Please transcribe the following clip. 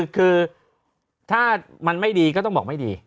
คือถ้ามันไม่ดีก็ต้องบอกไม่ดี